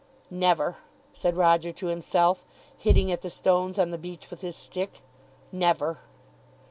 "Never," said Roger to himself, hitting at the stones on the beach with his stick. "Never."